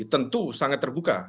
tentu sangat terbuka